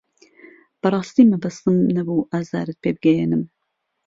بەڕاستی مەبەستم نەبوو ئازارت پێ بگەیەنم.